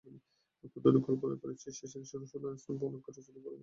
কতদিন কল্পনা করেছি সেই সিংহাসনের সোনার স্তম্ভে অলংকার রচনা করবার ভার নিয়ে এসেছি আমিও।